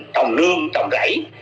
trồng nương trồng rẫy